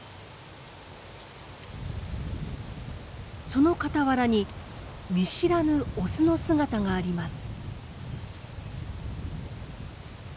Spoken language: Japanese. その傍らに見知らぬオスの姿があります。